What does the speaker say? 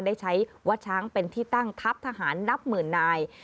ได้ใช้วัดช้างเป็นที่ตั้งทัพทหารนับหมื่นนาย